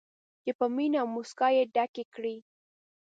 چې په مینه او موسکا یې ډکې کړي.